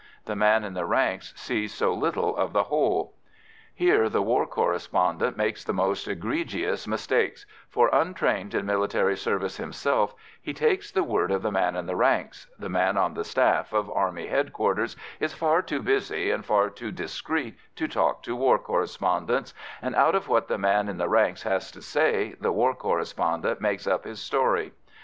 The man in the ranks sees so little of the whole. Here the war correspondent makes the most egregious mistakes, for, untrained in military service himself, he takes the word of the man in the ranks the man on the staff of army headquarters is far too busy and far too discreet to talk to war correspondents and out of what the man in the ranks has to say the war correspondent makes up his story.